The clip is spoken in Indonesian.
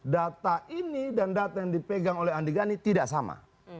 data ini dan data yang dipegang oleh andi gani tidak sama